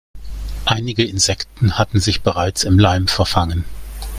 Einige Insekten hatten sich bereits im Leim verfangen.